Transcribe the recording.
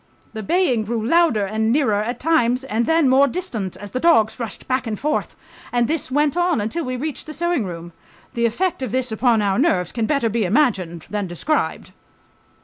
The baying grew louder and nearer at times and then more distant, as the dogs rushed back and forth, and this went on until we reached the sewing room. The effect of this upon our nerves can better be imagined than described